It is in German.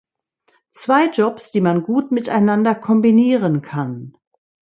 Zwei Jobs, die man gut miteinander kombinieren kann.